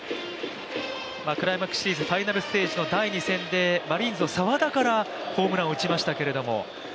クライマックスシリーズ、ファイナルステージの第２戦でマリーンズの澤田からホームランを打ちましたけど。